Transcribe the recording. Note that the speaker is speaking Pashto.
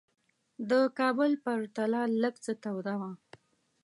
د کابل په پرتله لږ څه توده وه.